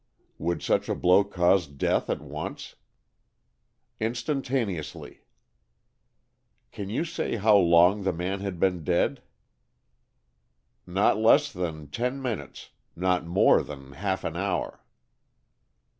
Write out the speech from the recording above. "Would such a blow cause death at once?" "Instantaneously." "Can you say how long the man had been dead?" "Not less than ten minutes. Not more than half an hour."